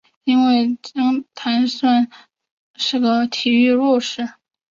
因为鹰潭在江西省算是个体育弱市。